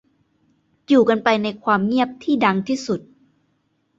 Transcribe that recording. อยู่กันไปในความเงียบที่ดังที่สุด